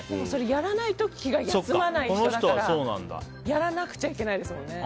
やらないと気が休まらない人だからやらなくちゃいけないですもんね。